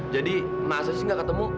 jadi masa sih gak ketemu